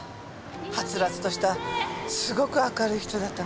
はつらつとしたすごく明るい人だったのに。